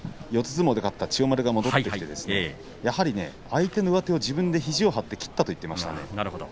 相撲で勝った千代丸が戻ってきてやはり相手の上手を自分で肘を張って切ったと言っていました。